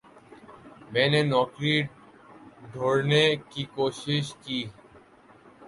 میں نے نوکری ڈھوڑھنے کی کوشش کی۔